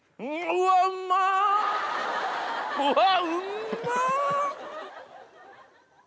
うわ。